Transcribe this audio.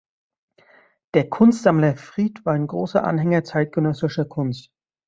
Der Kunstsammler Fried war ein großer Anhänger zeitgenössischer Kunst.